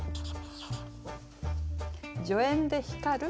「助演で光る」。